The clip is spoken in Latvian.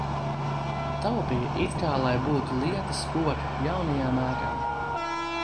Taupīja it kā lai būtu lietas koki jaunajām ēkām.